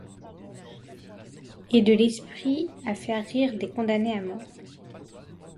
Et de l’esprit à faire rire des condamnés à mort...